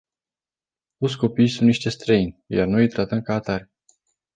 Toți copiii sunt niște străini. Iar noi îi tratăm ca atare.